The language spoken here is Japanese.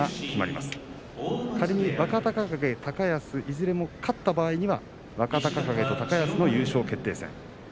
突っ張りに若隆景、高安いずれも勝った場合には若隆景と高安の優勝決定戦。